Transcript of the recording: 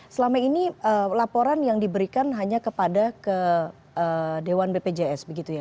selama ini laporan yang diberikan hanya kepada ke dewan bpjs begitu ya